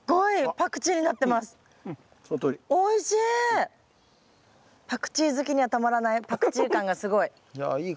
パクチー好きにはたまらないパクチー感がすごい。